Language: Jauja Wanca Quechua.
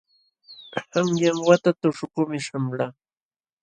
Qanyan wata tuśhukuqmi śhamulqaa.